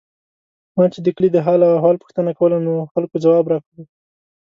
ما چې د کلي د حال او احوال پوښتنه کوله، نو خلکو ځواب راکړو.